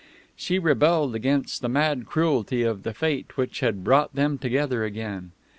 She rebelled against the mad cruelty of the fate which had brought them together again.